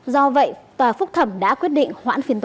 do vậy tòa phúc thẩm đã quyết định hoãn phiên tòa